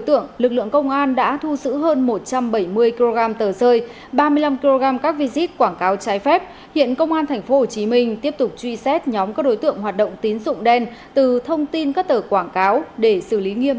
tờ dơi ba mươi năm kg các visit quảng cáo trái phép hiện công an tp hồ chí minh tiếp tục truy xét nhóm các đối tượng hoạt động tín dụng đen từ thông tin các tờ dơi